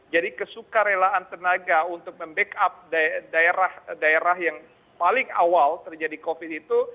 jadi kesuka relaan tenaga untuk membackup daerah daerah yang paling awal terjadi covid itu